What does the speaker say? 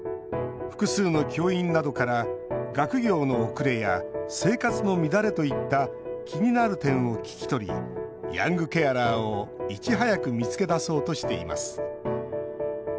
複数の教員などから学業の遅れや生活の乱れといった気になる点を聞き取りヤングケアラーをいち早く見つけ出そうとしています。